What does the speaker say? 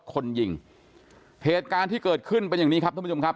คนยิงเหตุการณ์ที่เกิดขึ้นเป็นอย่างนี้ครับท่านผู้ชมครับ